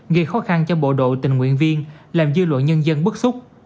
gây khó khăn cho bộ độ tình nguyện viên làm dư luận nhân dân bất xúc